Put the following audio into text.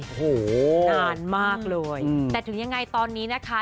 โอ้โหนานมากเลยแต่ถึงยังไงตอนนี้นะคะ